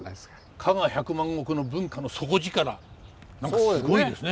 加賀百万石の文化の底力何かすごいですね。